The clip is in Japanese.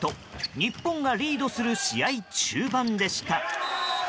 日本がリードする試合中盤でした。